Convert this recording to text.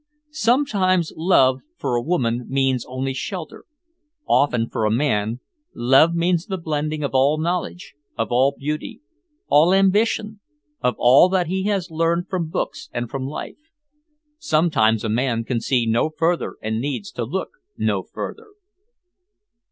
"Sometimes love, for a woman, means only shelter; often, for a man, love means the blending of all knowledge, of all beauty, all ambition, of all that he has learned from books and from life. Sometimes a man can see no further and needs to look no further."